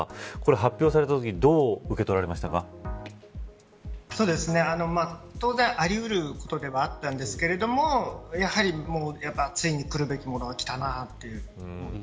発表されたときに当然あり得ることではあったんですがやはりついにくるべきものがきたなという。